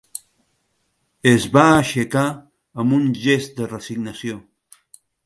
Es va aixecar amb un gest de resignació.